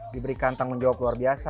diberikan tanggung jawab luar biasa